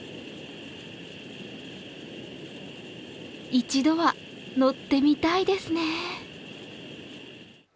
一度は乗ってみたいですね。